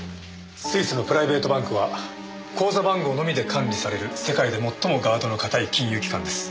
スイスのプライベートバンクは口座番号のみで管理される世界で最もガードの堅い金融機関です。